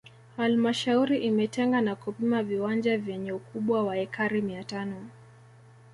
Halmashauri imetenga na kupima viwanja vyenye ukubwa wa ekari mia tano